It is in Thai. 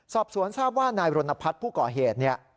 สอบสวนทราบว่านายบรณพัฒน์ผู้เกาะเหตุ